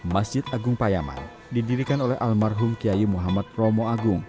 masjid agung payaman didirikan oleh almarhum kiai muhammad romo agung